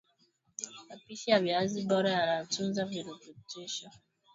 mapishi ya viazi bora yanayotunza virutubisho